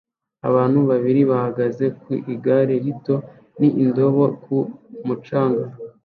Abantu babiri bahagaze ku igare rito n'indobo ku mucanga